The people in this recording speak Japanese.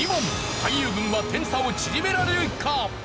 俳優軍は点差を縮められるか？